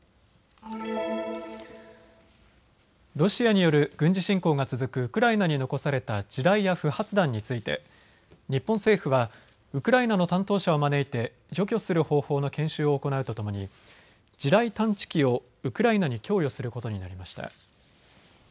ロシアによる軍事侵攻が続くウクライナに残された地雷や不発弾について日本政府はウクライナの担当者を招いて除去する方法の研修を行うとともに地雷探知機をウクライナに供与することになりました。